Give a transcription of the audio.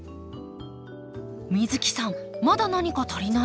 美月さんまだ何か足りない気が。